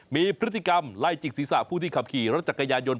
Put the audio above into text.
มีพฤติกรรมไล่จิกศีรษะผู้ที่ขับขี่รถจักรยานยนต